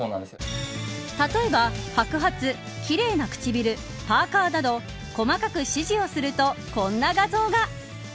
例えば白髪、奇麗な唇、パーカーなど細かく指示をするとこんな画像が。